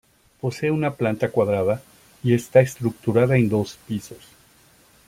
Posee una planta cuadrada y está estructurada en dos pisos.